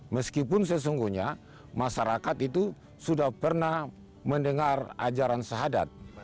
meskipun sesungguhnya masyarakat itu sudah pernah mendengar ajaran sahadat